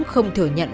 không thừa nhận